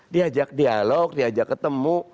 diajak dialog diajak ketemu